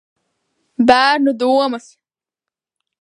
B?rnu domas.